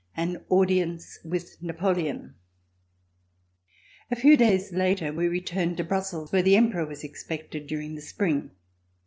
— Marriage of Charlotte. A FEW days later we returned to Brussels where the Emperor was expected during the spring.